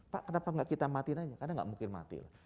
pak kenapa tidak kita matikan saja karena tidak mungkin mati